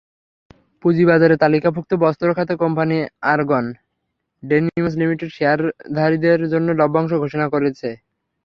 পুঁজিবাজারে তালিকাভুক্ত বস্ত্র খাতের কোম্পানি আরগন ডেনিমস লিমিটেড শেয়ারধারীদের জন্য লভ্যাংশ ঘোষণা করেছে।